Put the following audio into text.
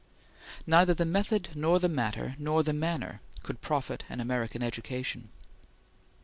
Neither the method nor the matter nor the manner could profit an American education.